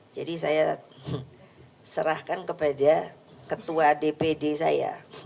jadi saya serahkan kepada ketua dpd saya